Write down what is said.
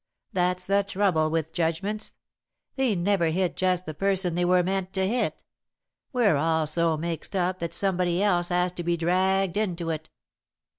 That's the trouble with judgments they never hit just the person they were meant to hit. We're all so mixed up that somebody else has to be dragged into it."